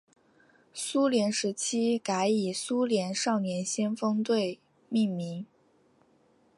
苏联时期改以苏联少年先锋队命名。